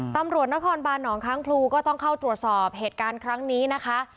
ตำรวจนครบานหนองค้างพลูก็ต้องเข้าตรวจสอบเหตุการณ์ครั้งนี้นะคะ